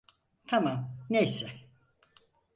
Tamam, neyse.